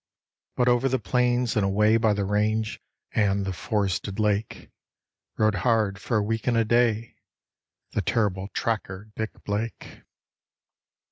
But over the plains and away by the range and the forested lake, Rode hard, for a week and a day, the terrible tracker, Dick Blake.